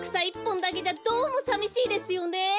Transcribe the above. いっぽんだけじゃどうもさみしいですよね！